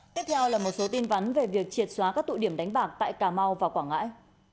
tiếp theo là một số tin vắn về việc triệt xóa các tụ điểm đánh bạc tại cà mau và quảng ngãi